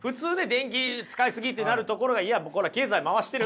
「電気使い過ぎ！」ってなるところがいやこれは経済回してる。